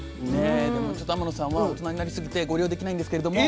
でも天野さんは大人になりすぎてご利用できないんですけれども。